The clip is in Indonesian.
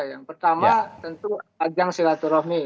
yang pertama tentu ajang silaturahmi